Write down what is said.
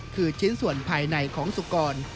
คือชิ้นส่วนภายในของสุกร